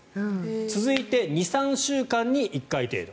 続いて２３週間に１回程度。